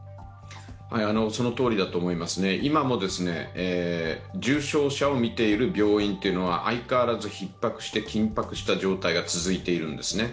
そのとおりだと思いますね、今も重症者を診ている病院というのは相変わらずひっ迫して、緊迫した状態が続いているんですね。